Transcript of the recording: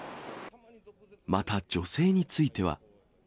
また女性については。